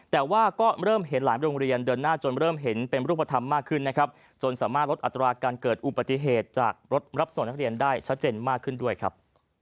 แต่ว่าก็เริ่มเห็นหลายโรงเรียนเดินหน้าจนเริ่มเห็นเป็นรูปธรรมมากขึ้นนะครับจนสามารถลดอัตราการเกิดอุบัติเหตุจากรถรับส่งนักเรียนได้ชัดเจนมากขึ้นด้วยครับ